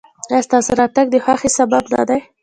ایا ستاسو راتګ د خوښۍ سبب نه دی؟